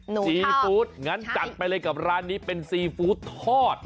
ซีฟู้ดงั้นจัดไปเลยกับร้านนี้เป็นซีฟู้ดทอด